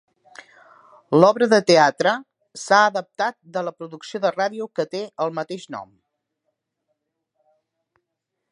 L"obra de teatre s"ha adaptat de la producció de ràdio que té el mateix nom.